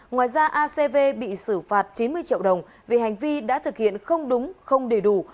ngoài ra acv bị xử phạt chín mươi triệu đồng vì hành vi đã thực hiện không đúng không đầy đủ